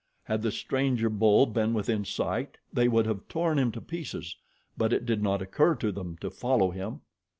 Had the stranger bull been within sight they would have torn him to pieces; but it did not occur to them to follow him.